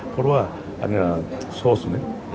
เพราะว่าโซ่สูสเนี่ย